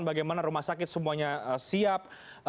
bagaimana rumah sakit semuanya siap